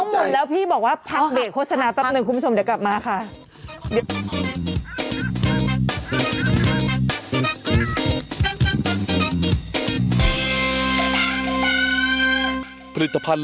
น้องหมดแล้วพี่บอกว่าพักเด็กโฆษณาแป๊บหนึ่งคุณผู้ชม